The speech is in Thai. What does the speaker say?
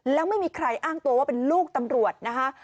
แล้วไม่มีใครอ้างตัวว่าเป็นลูกตำรวจนะคะ